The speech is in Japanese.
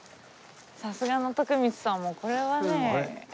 さすがの徳光さんもこれはねえ。